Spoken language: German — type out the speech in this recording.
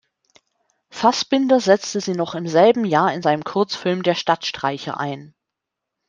Fassbinder setzte sie noch im selben Jahr in seinem Kurzfilm "Der Stadtstreicher" ein.